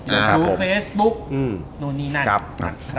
ยูทูปเฟสบุ๊คนู่นนี่นั่น